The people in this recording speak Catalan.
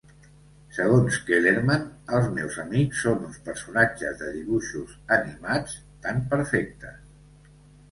Segons Kellerman, "Els meus amics són uns personatges de dibuixos animats tan perfectes.